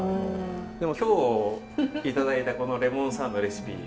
でも今日頂いたこのレモンサワーのレシピ